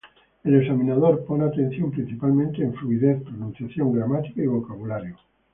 El examinador pone atención principalmente en fluidez, pronunciación, gramática y vocabulario.